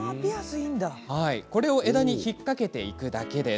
これを枝に引っ掛けていくだけ。